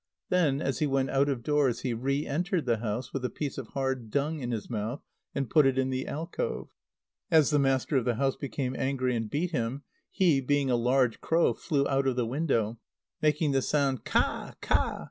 Then, as he went out of doors, he re entered the house with a piece of hard dung in his mouth, and put it in the alcove. As the master of the house became angry and beat him, he, being a large crow, flew out of the window, making the sound "Kā!